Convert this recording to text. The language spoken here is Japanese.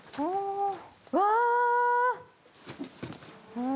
うわ！